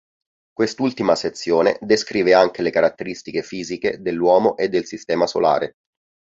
Quest'ultima sezione descrive anche le caratteristiche fisiche dell'uomo e del sistema solare.